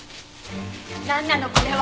なんなのこれは！